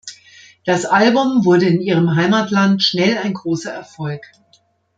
Das Album wurde in ihrem Heimatland schnell ein großer Erfolg.